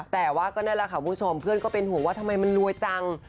แต่ว่าก็นั่นแหละค่ะคุณผู้ชมเพื่อนก็เป็นห่วงว่าทำไมมันรวยจัง